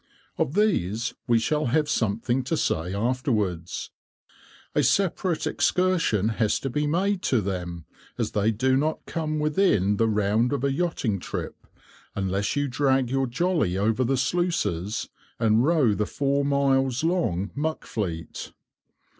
Of these we shall have something to say afterwards. A separate excursion has to be made to them, as they do not come within the round of a yachting trip, unless you drag your jolly over the sluices, and row the four miles long Muck Fleet.